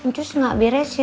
cus gak beresin